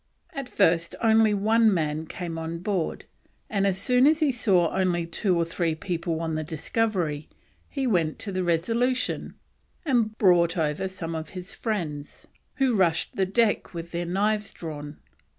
At first only one man came on board, and as he saw only two or three people on the Discovery, he went to the Resolution and brought over some of his friends, who rushed the deck with their knives drawn.